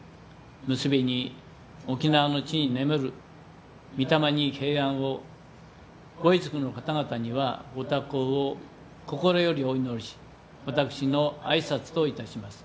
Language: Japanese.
結びに、沖縄の地に眠る御霊に平安をご遺族の方々にはご多幸を心よりお祈りし私のあいさつといたします。